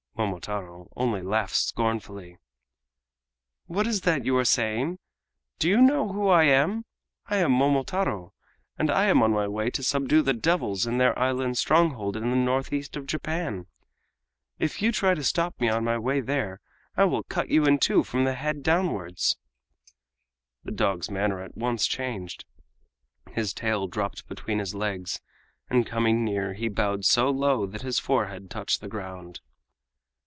Momotaro only laughed scornfully: "What is that you are saying? Do you know who I am? I am Momotaro, and I am on my way to subdue the devils in their island stronghold in the northeast of Japan. If you try to stop me on my way there I will cut you in two from the head downwards!" The dog's manner at once changed. His tail dropped between his legs, and coming near he bowed so low that his forehead touched the ground.